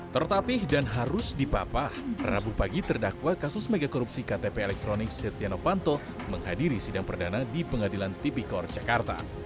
tertatih dan harus dipapah rabu pagi terdakwa kasus megakorupsi ktp elektronik setia novanto menghadiri sidang perdana di pengadilan tipikor jakarta